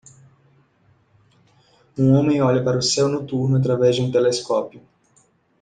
Um homem olha para o céu noturno através de um telescópio.